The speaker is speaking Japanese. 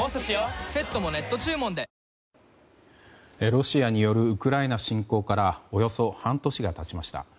ロシアによるウクライナ侵攻からおよそ半年が経ちました。